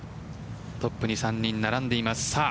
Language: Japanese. トップに３人並んでいます。